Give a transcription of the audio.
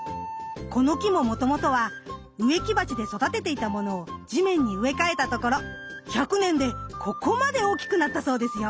この木ももともとは植木鉢で育てていたものを地面に植え替えたところ１００年でここまで大きくなったそうですよ。